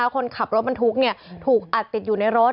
คนขับรถบรรทุกถูกอัดติดอยู่ในรถ